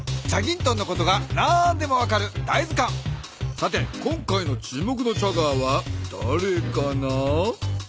さて今回の注目のチャガーはだれかな？